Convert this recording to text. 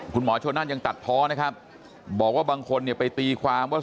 คุณหมอชนนั่นยังตัดเพาะนะครับบอกว่าบางคนเนี่ยไปตีความว่า